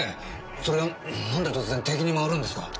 それが何で突然敵に回るんですか？